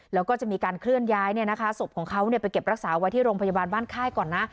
แล้วก็จะมีการเคลื่อนย้ายศพของเขาไปเก็บรักษาไว้ที่โรงพยาบาลบ้านค่ายก่อนนะ